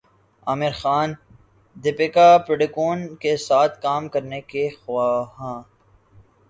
عامرخان دپیکا پڈوکون کے ساتھ کام کرنے کے خواہاں